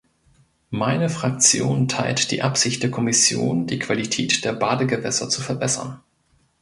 Meine Fraktion teilt die Absicht der Kommission, die Qualität der Badegewässer zu verbessern.